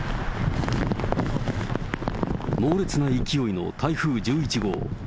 猛烈な勢いの台風１１号。